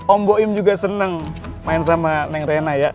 om boim juga seneng main sama neng rena ya